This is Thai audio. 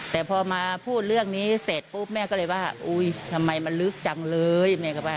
แต่พอมาพูดเรื่องนี้เสร็จปุ๊บแม่ก็เลยว่าอุ้ยทำไมมันลึกจังเลยแม่ก็ว่า